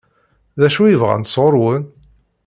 D acu i bɣant sɣur-wen?